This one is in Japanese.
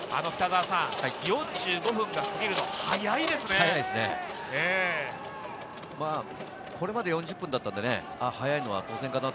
４５分が過ぎるのが早いこれまで４０分だったんで、早いのは当然かなと